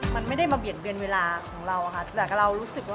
มันไม่ได้มาเบียดเบียนเวลาของเราอะค่ะแต่เรารู้สึกว่า